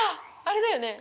あれだよね！